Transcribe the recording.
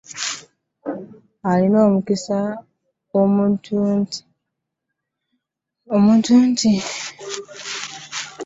Alina omukisa onuntu atatambulira mu kuteesa kwababi.